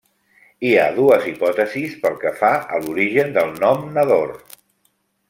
Hi ha dues hipòtesis pel que fa a l'origen del nom Nador.